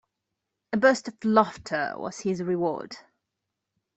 A burst of laughter was his reward.